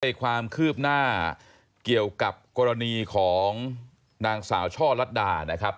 ความคืบหน้าเกี่ยวกับกรณีของนางสาวช่อลัดดานะครับ